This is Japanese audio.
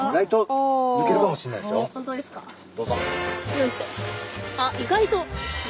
よいしょ。